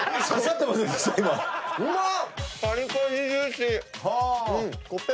うまっ！